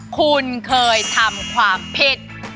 คุณเคยทำความผิด